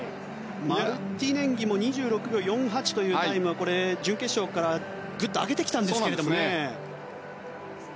マルティネンギも２６秒４８というタイムで準決勝からグッと上げてきたんですけどね。